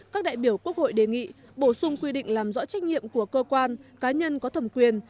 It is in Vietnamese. các đại biểu quốc hội đề nghị bổ sung quy định làm rõ trách nhiệm của cơ quan cá nhân có thẩm quyền